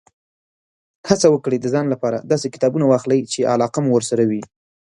هڅه وکړئ، د ځان لپاره داسې کتابونه واخلئ، چې علاقه مو ورسره وي.